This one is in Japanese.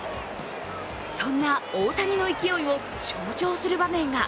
そんな大谷の勢いを象徴する場面が。